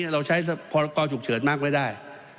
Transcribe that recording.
เราใช้พรกรฉุกเฉินมากไว้ได้